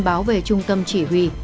báo về trung tâm chỉ huy